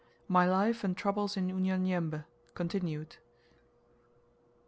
MY LIFE AND TROUBLES IN UNYANYEMBE (continued).